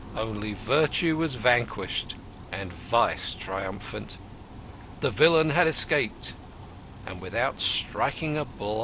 Only virtue was vanquished and vice triumphant. The villain had escaped, and without striking a blow.